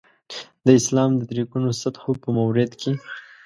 د اسلام د درې ګونو سطحو په مورد کې.